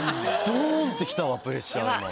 ドンってきたわプレッシャー今。